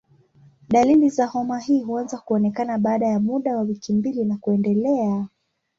Dalili za homa hii huanza kuonekana baada ya muda wa wiki mbili na kuendelea.